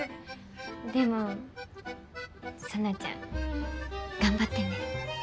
でも紗菜ちゃん頑張ってね。